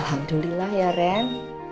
alhamdulillah ya ren